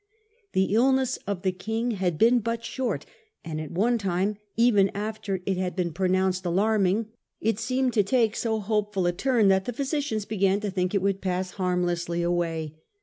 The illness of the King had been but short, and at one time, even after it had been pronounced alarming, it seemed to take so hopeful a turn that the physicians began to think it would pass harmlessly away.